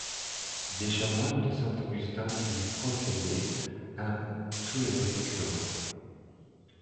Des chamoines de Saint-Augustin y possédaient un prieuré-cure.